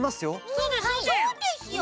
そうですよ。